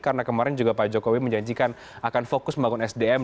karena kemarin juga pak jokowi menjanjikan akan fokus membangun sdm